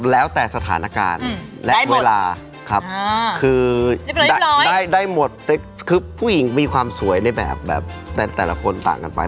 แล้วแต่สถานการณ์และเวลาครับคือได้หมดคือผู้หญิงมีความสวยในแบบแต่ละคนต่างกันไป